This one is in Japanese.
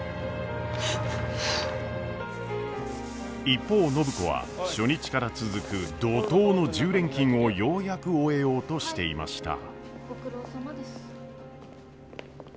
一方暢子は初日から続く怒とうの１０連勤をようやく終えようとしていました。